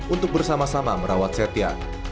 untuk bersama sama merawat setia